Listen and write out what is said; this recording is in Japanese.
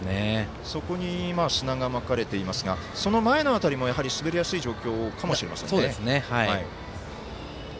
そこに砂がまかれていますがその前の辺りも滑りやすい状況かもしれません。